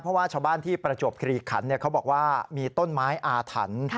เพราะว่าชาวบ้านที่ประจวบคลีขันเขาบอกว่ามีต้นไม้อาถรรพ์